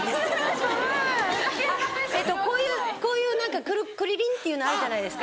・怖い・こういう何かくりりんっていうのあるじゃないですか。